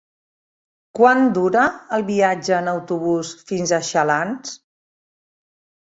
Quant dura el viatge en autobús fins a Xalans?